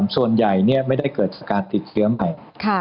ส่วนใหญ่ไม่ได้เกิดการติดเชื้อใหม่